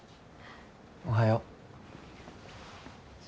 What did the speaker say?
おはよう。